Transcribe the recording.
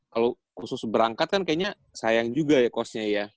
kalo khusus berangkat kan kayaknya sayang juga ya kosnya ya